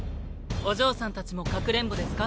お嬢さんたちもかくれんぼですか？